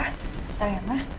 sebentar ya ma